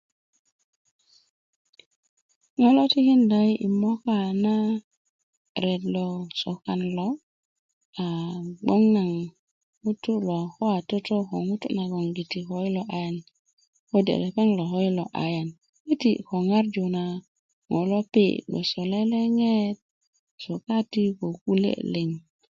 ŋo lo tikinda yi' yi moka na ret lo sokan lo a gboŋ naŋ ŋutu' lo ko a toto ko ŋutu' naŋgiti ko yilo ayan kode' lepeŋ lo ko yilo ayan köti ko ŋarju na ŋo' lopi' gwoso leleŋet sukati ko kule liŋ